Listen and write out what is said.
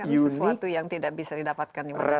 ini kan sesuatu yang tidak bisa didapatkan di mana saja